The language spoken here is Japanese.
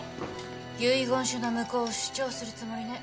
遺言書の無効を主張するつもりね。